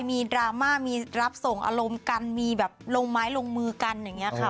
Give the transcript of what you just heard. ดราม่ามีรับส่งอารมณ์กันมีแบบลงไม้ลงมือกันอย่างนี้ค่ะ